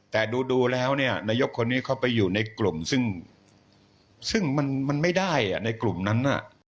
แต่ดูแล้วเนี่ยนายกคนนี้เข้าไปอยู่ในกลุ่มซึ่งมันไม่ได้ในกลุ่มนั้นน่ะ